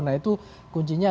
nah itu kunci yang dibuat